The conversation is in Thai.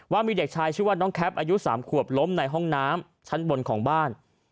ว่ามีเด็กชายชื่อว่าน้องแคปอายุ๓ขวบล้มในห้องน้ำชั้นบนของบ้าน